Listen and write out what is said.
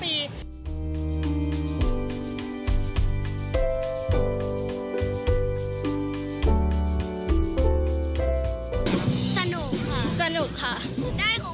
ผมหล่อมาเติมสนุกกัน